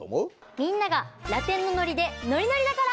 みんながラテンのノリでノリノリだから！